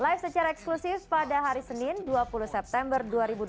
live secara eksklusif pada hari senin dua puluh september dua ribu dua puluh